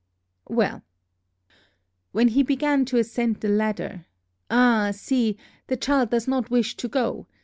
Well, when he began to ascend the ladder, ah, see, the child does not wish to go!